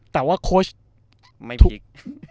แต่ว่าโค้ชไม่พลิก